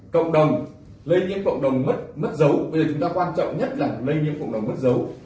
cộng đồng lấy những cộng đồng mất dấu bây giờ chúng ta quan trọng nhất là lấy những cộng đồng mất dấu